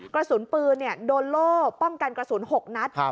กระสุนปืนโดนโล่ป้องกันกระสุน๖นัด